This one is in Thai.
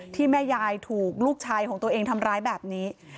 แม่ยายถูกลูกชายของตัวเองทำร้ายแบบนี้